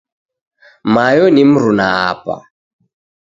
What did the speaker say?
Mayo ni mruna apa.